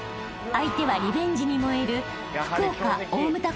［相手はリベンジに燃える福岡大牟田